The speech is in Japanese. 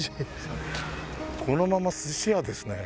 このまま寿司屋ですね